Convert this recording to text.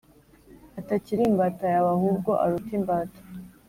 atakiri imbata yawe ahubwo aruta imbata